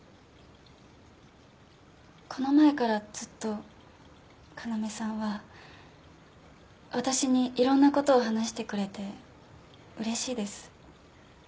この前からずっと要さんは私にいろんなことを話してくれてうれしいです。